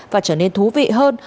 và trở nên thú vị hơn